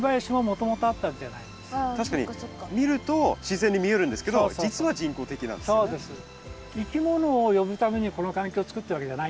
確かに見ると自然に見えるんですけど実は人工的なんですよね。